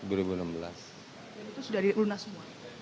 itu sudah lunas semua